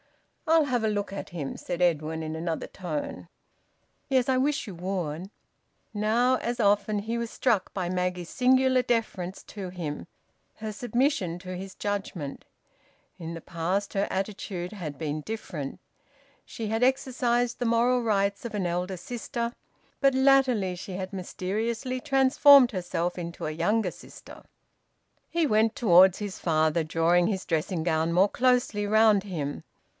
"I'll have a look at him," said Edwin, in another tone. "Yes, I wish you would." Now, as often, he was struck by Maggie's singular deference to him, her submission to his judgement. In the past her attitude had been different; she had exercised the moral rights of an elder sister; but latterly she had mysteriously transformed herself into a younger sister. He went towards his father, drawing his dressing gown more closely round him.